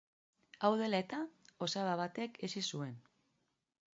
Hau dela eta, osaba batek hezi zuen.